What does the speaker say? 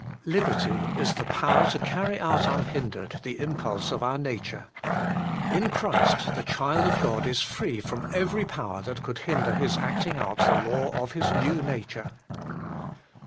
1. Liberty is the power to carry out unhindered the impulse of our nature. In Christ the child of God is free from every power that could hinder his acting out the law of his new nature.